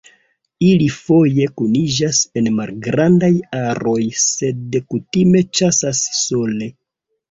Ili foje kuniĝas en malgrandaj aroj sed kutime ĉasas sole.